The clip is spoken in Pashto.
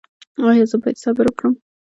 ایا زه باید صبر وکړم؟